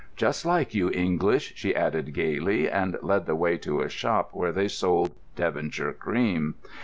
"Just like you English," she added gaily, and led the way to a shop where they sold Devonshire cream.